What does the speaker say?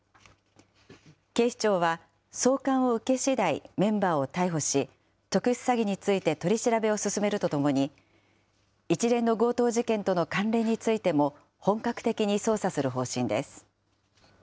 警視庁は送還を受けしだい、メンバーを逮捕し、特殊詐欺について取り調べを進めるとともに、一連の強盗事件との関連についても本格的に捜査する方針です。